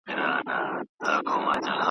جهاني قاصد راغلی ساه ختلې ده له ښاره .